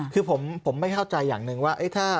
คือผมไม่เข้าใจอย่างหนึ่งว่า